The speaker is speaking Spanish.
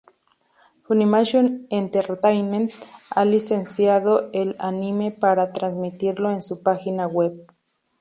Funimation Entertainment ha licenciado el anime para transmitirlo en su página web.